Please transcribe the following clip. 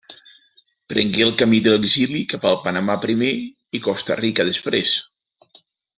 Prengué el camí de l'exili cap al Panamà primer i Costa Rica després.